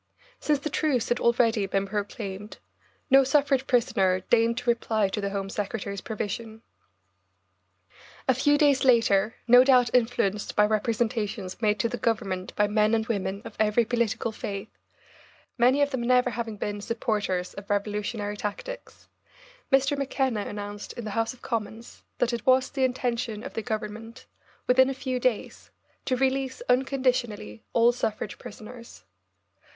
Since the truce had already been proclaimed, no suffrage prisoner deigned to reply to the Home Secretary's provision. A few days later, no doubt influenced by representations made to the Government by men and women of every political faith many of them never having been supporters of revolutionary tactics Mr. McKenna announced in the House of Commons that it was the intention of the Government, within a few days, to release unconditionally, all suffrage prisoners.